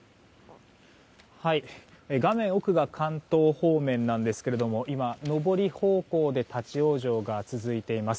画面奥が関東方面なんですけれども今、上り方向で立ち往生が続いています。